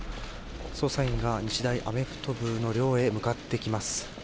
捜査員が日大アメフト部の寮へ向かっていきます。